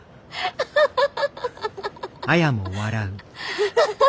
アハハハ。